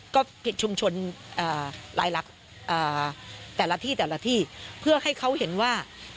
ก็ผิดชุมชนรายลักษณ์แต่ละที่แต่ละที่เพื่อให้เขาเห็นว่า